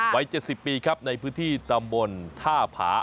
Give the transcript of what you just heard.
วัย๗๐ปีครับในพื้นที่ตำบลท่าผา